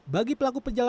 bagi pelaku penjagaan